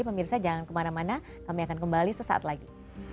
pemirsa jangan kemana mana kami akan kembali sesaat lagi